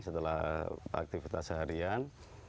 setelah aktivitas harian